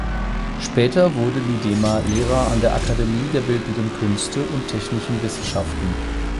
Später wurde Miedema Lehrer an der Akademie der bildenden Künste und technischen Wissenschaften.